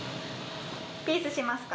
ピースしますか。